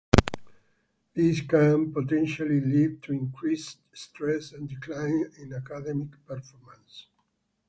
This can potentially lead to increased stress and a decline in academic performance.